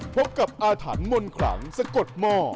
พบกับอาถรรพ์มนต์ขลังสะกดหม้อ